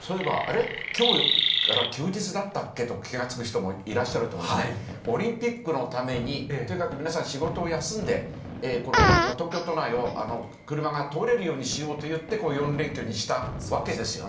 そういえば、あれ、きょうから休日だったっけと気が付く人もいらっしゃると思いますが、オリンピックのために、とにかく皆さん、仕事を休んで、東京都内を車が通れるようにしようといって、この４連休にしたわけですよね。